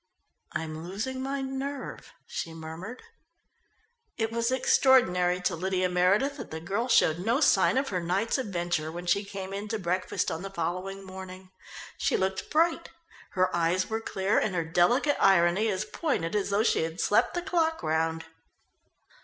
"I'm losing my nerve," she murmured. It was extraordinary to Lydia Meredith that the girl showed no sign of her night's adventure when she came in to breakfast on the following morning. She looked bright. Her eyes were clear and her delicate irony as pointed as though she had slept the clock round.